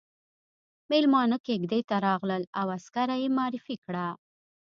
ميلمانه کېږدۍ ته راغلل او عسکره يې معرفي کړه.